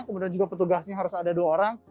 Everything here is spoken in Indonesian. kemudian juga petugasnya harus ada dua orang